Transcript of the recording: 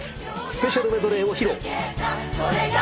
スペシャルメドレーを披露。